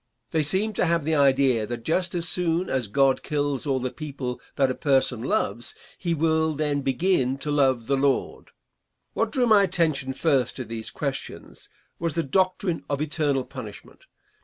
They seem to have the idea that just as soon as God kills all the people that a person loves, he will then begin to love the Lord. What drew my attention first to these questions was the doctrine of eternal punishment.